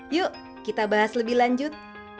yuk kita bahas lebih lanjut